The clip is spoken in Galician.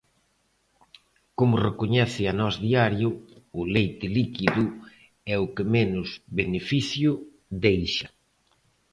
Como recoñece a Nós Diario, o leite líquido é o que menos beneficio deixa.